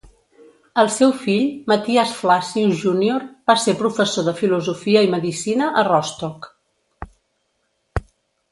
El seu fill, Matthias Flacius Junior, va ser professor de filosofia i medicina a Rostock.